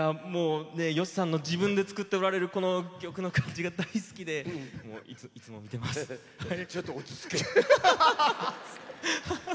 吉さんの自分で作っておられる曲の感じが大好きでちょっと落ち着け！